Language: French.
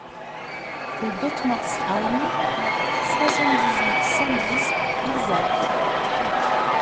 Rue d'Ottmarsheim, soixante-huit, cent dix Illzach